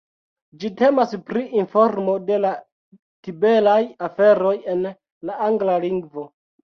Ĝi temas pri informo de la tibetaj aferoj en la angla lingvo.